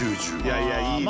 いやいやいいね